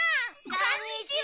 こんにちは。